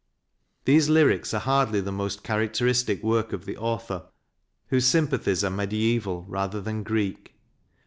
These lyrics are hardly the most characteristic work of the author, whose sympathies are mediaeval rather than Greek.